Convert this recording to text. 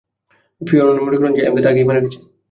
ফিওরনের মনে করে যে, অ্যামলেথ আগেই মারা গেছে।